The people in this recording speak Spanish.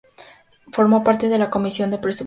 Formó parte de la Comisión de Presupuestos.